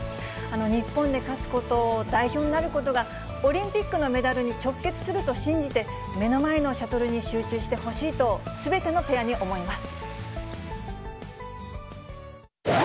日本で勝つこと、代表になることが、オリンピックのメダルの直結すると信じて、目の前のシャトルに集中してほしいと、すべてのペアに思います。